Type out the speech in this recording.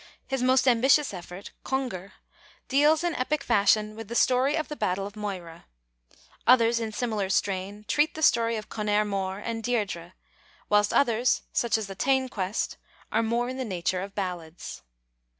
His most ambitious effort, Congal, deals in epic fashion with the story of the battle of Moyra. Others in similar strain treat the story of Conaire Mór and Deirdre, whilst others such as the Tain Quest are more in the nature of ballads.